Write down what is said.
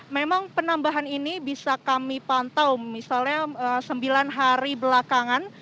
memang penambahan ini bisa kami pantau misalnya sembilan hari belakangan